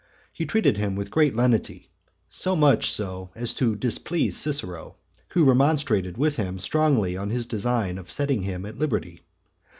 He treated him with great lenity, so much so as to displease Cicero, who remonstrated with him strongly on his design of setting him at liberty.